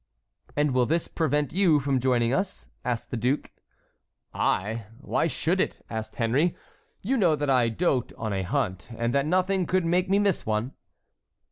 "And will this prevent you from joining us?" asked the duke. "I? Why should it?" asked Henry. "You know that I dote on a hunt, and that nothing could make me miss one."